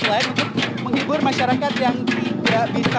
selain untuk menghibur masyarakat yang tidak bisa